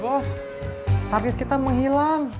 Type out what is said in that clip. bos target kita menghilang